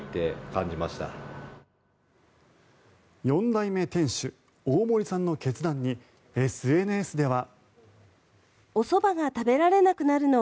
４代目店主大森さんの決断にＳＮＳでは。